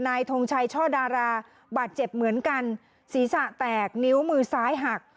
ทงชัยช่อดาราบาดเจ็บเหมือนกันศีรษะแตกนิ้วมือซ้ายหัก